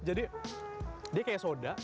jadi dia kayak soda